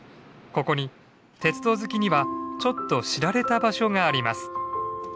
ここに鉄道好きにはちょっと知られた場所があります。